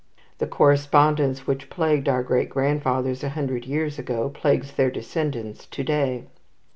The correspondence which plagued our great grandfathers a hundred years ago, plagues their descendants to day.